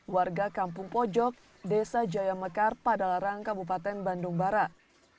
warga kampung pojok desa jayamekar padalarang kabupaten bandung barat